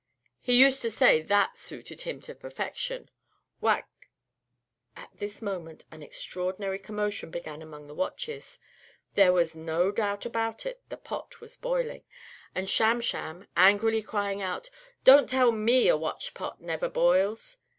He used to say that sooted him to perfection. Wac " At this moment an extraordinary commotion began among the watches. There was no doubt about it, the pot was boiling, and Sham Sham, angrily crying out, "Don't tell me a watched pot never boils!"